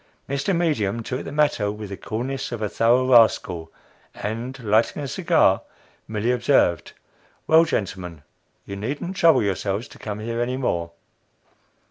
Mr. Medium took the matter with the coolness of a thorough rascal, and, lighting a cigar, merely observed: "Well gentlemen, you needn't trouble yourselves to come here any more!"